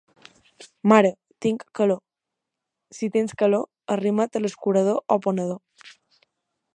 Mare, tinc calor. —Si tens calor, arrima't a l'escurador o ponedor.